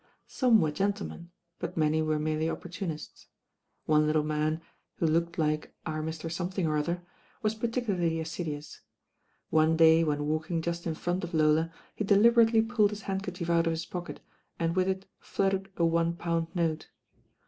Some were gentlemen; but many were merely opportunists. One little man, who looked like "Our Mr. Something or other," was par ticularly assiduous. One day when walking just in front of Lola he deliberately pulled his handker chief out of his pocket, and with it fluttered a one pound note.